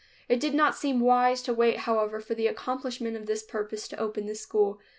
It did not seem wise to wait however for the accomplishment of this purpose to open the school.